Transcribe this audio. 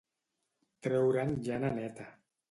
Treure'n llana neta.